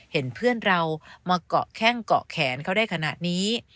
เห็นเพื่อนเรามาเกาะแข้งเกาะแขนเขาได้ขนาดนี้